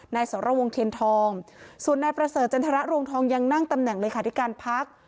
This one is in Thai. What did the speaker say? สรวงเทียนทองส่วนนายประเสริฐจันทรรวงทองยังนั่งตำแหน่งเลขาธิการพัก